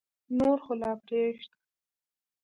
نور خو لا پرېږده.